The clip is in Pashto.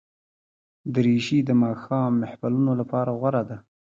دریشي د ماښام محفلونو لپاره غوره ده.